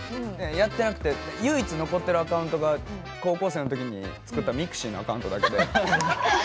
やってなくて唯一残ってるアカウントが高校生の時に作ったｍｉｘｉのアカウントだけで。